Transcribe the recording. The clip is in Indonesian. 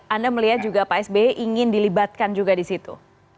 anda melihat juga pak sby ingin dilibatkan juga di situ